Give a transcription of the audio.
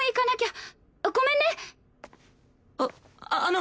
ああの！